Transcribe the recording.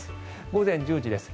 午前１０時です。